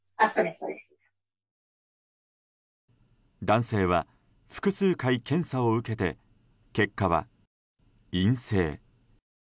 男性は複数回、検査を受けて結果は陰性。